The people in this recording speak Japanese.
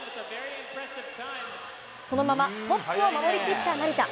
そのままトップを守りきった成田。